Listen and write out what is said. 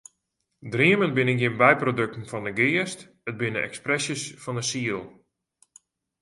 Dreamen binne gjin byprodukten fan de geast, it binne ekspresjes fan de siel.